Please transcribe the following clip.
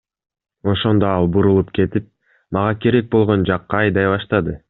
Ошондо ал бурулуп кетип, мага керек болгон жакка айдай баштады.